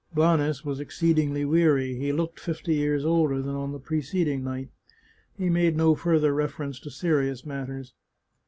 Blanes was exceedingly weary; he looked fifty years older than on the preceding night; he made no further reference to serious matters.